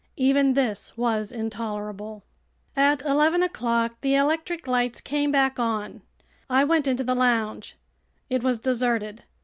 Even this was intolerable. At eleven o'clock the electric lights came back on. I went into the lounge. It was deserted.